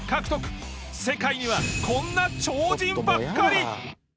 世界にはこんな超人ばっかり！